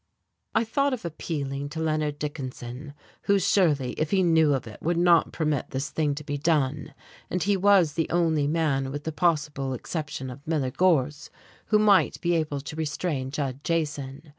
I thought of appealing to Leonard Dickinson, who surely, if he knew of it, would not permit this thing to be done; and he was the only man with the possible exception of Miller Gorse who might be able to restrain Judd Jason.